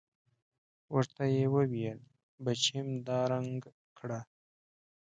ورته يې وويل بچېم دا رنګ کړه.